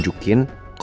gue gak boleh nyerah